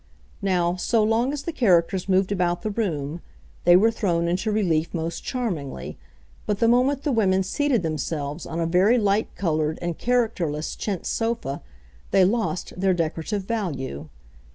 Now, so long as the characters moved about the room, they were thrown into relief most charmingly, but the moment the women seated themselves on a very light coloured and characterless chintz sofa, they lost their decorative value.